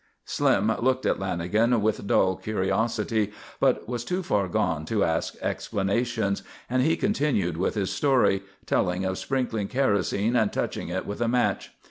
Slim looked at Lanagan with dull curiosity, but was too far gone to ask explanations, and he continued with his story, telling of sprinkling kerosene and touching it with a match.